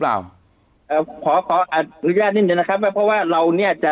เพราะว่าเรานี่เช็คเด็กทุกเย็นนะฮะ